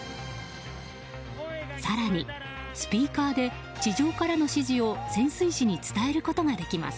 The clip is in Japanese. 更にスピーカーで地上からの指示を潜水士に伝えることができます。